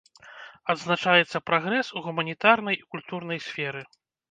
Адзначаецца прагрэс у гуманітарнай і культурнай сферы.